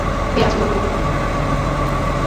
পেঁয়াজ গোল করে কেটে রিঙের মতো পরতে পরতে খুলে রাখতে হবে।